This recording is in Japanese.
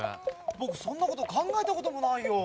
ぼくそんなことかんがえたこともないよ。